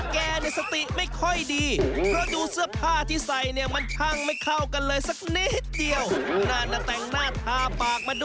การมันให้ครับ